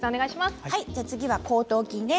次は後頭筋です。